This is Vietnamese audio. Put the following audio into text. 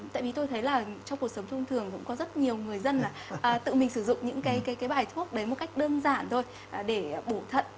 tại vì tôi thấy là trong cuộc sống thông thường cũng có rất nhiều người dân là tự mình sử dụng những cái bài thuốc đấy một cách đơn giản thôi để bổ thận